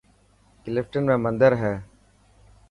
ڪلفٽن ۾ مندر هي